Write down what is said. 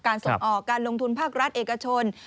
ส่งออกการลงทุนภาครัฐเอกชน